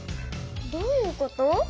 どういうこと？